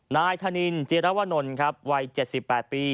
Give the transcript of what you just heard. นายทานินเจราวนนท์ครับวัย๗๘ปี